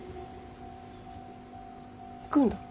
行くんだ。